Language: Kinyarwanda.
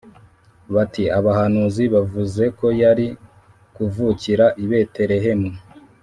bati abahanuzi bavuze ko yari kuvukira i Betelehemu